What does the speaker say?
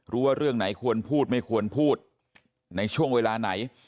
เรื่องไหนควรพูดไม่ควรพูดในช่วงเวลาไหน